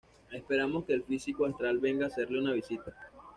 Esperemos que el físico astral venga a hacerle una visita.